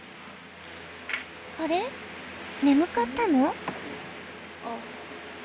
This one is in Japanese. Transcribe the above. あれ眠かったの？